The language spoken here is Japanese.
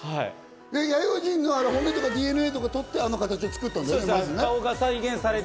弥生人の骨とかＤＮＡを取って、あの形作ったんだよね。